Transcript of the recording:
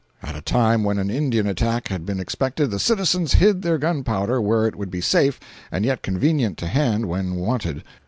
At a time when an Indian attack had been expected, the citizens hid their gunpowder where it would be safe and yet convenient to hand when wanted.